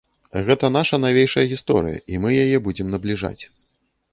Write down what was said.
Гэта наша навейшая гісторыя, і мы яе будзем набліжаць.